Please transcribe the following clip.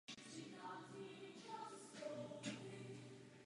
Ve své literární činnosti tvořila hlavně básně a z prózy pohádky.